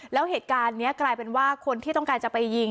แล้วเหตุการณ์นี้กลายเป็นว่าคนที่ต้องการจะไปยิง